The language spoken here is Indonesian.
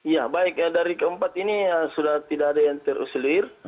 ya baik dari keempat ini sudah tidak ada yang terusilir